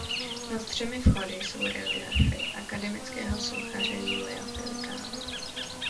Nad třemi vchody jsou reliéfy akademického sochaře Julia Pelikána.